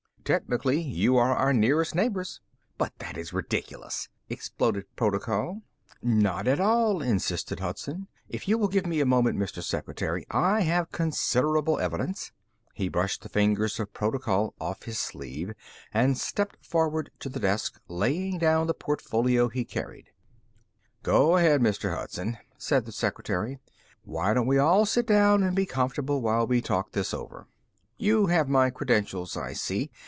"Technically, you are our nearest neighbors." "But that is ridiculous!" exploded Protocol. "Not at all," insisted Hudson. "If you will give me a moment, Mr. Secretary, I have considerable evidence." He brushed the fingers of Protocol off his sleeve and stepped forward to the desk, laying down the portfolio he carried. "Go ahead, Mr. Hudson," said the secretary. "Why don't we all sit down and be comfortable while we talk this over?" "You have my credentials, I see.